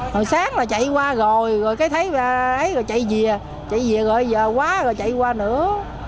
hồi sáng là chạy qua rồi rồi thấy chạy về chạy về rồi giờ qua rồi chạy qua nữa